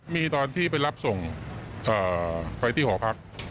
มีตอนที่ไปรับส่งไปที่หอพัก